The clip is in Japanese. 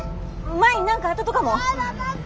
舞に何かあったとかも！